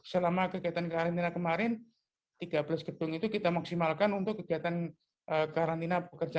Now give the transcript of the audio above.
selama kegiatan karantina kemarin tiga belas gedung itu kita maksimalkan untuk kegiatan karantina pekerja